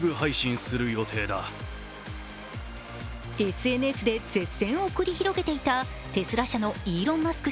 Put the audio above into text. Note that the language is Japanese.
ＳＮＳで舌戦を繰り広げていたテスラ社のイーロン・マスク